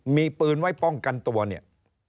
มีปืนไว้ป้องกันตัวเนี่ย